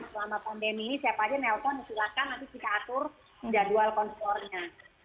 selama pandemi siapa saja nelfon silakan nanti kita atur jadwal konflornya